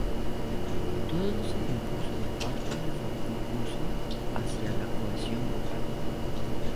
Todos los ejemplos comparten el fuerte impulso hacia la cohesión grupal.